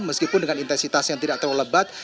meskipun dengan intensitas yang tidak terlalu lebat